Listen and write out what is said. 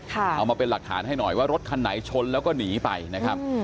เอามาเป็นหลักฐานให้หน่อยว่ารถคันไหนชนแล้วก็หนีไปนะครับ